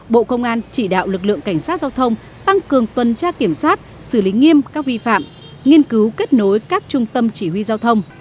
bộ công an chỉ đạo lực lượng cảnh sát giao thông tăng cường tuần tra kiểm soát xử lý nghiêm các vi phạm nghiên cứu kết nối các trung tâm chỉ huy giao thông